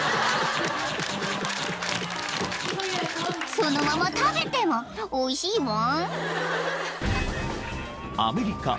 ［そのまま食べてもおいしいワン］